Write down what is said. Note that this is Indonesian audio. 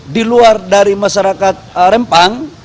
di luar dari masyarakat rempang